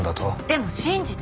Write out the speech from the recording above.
でも信じて！